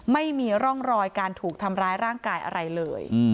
ไม่มีร่องรอยการถูกทำร้ายร่างกายอะไรเลย